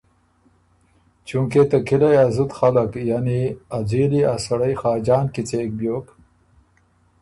چونکې ته کِلئ ا زُت خلق یعنی ا ځېلی ا سړئ خاجان کیڅېک بیوک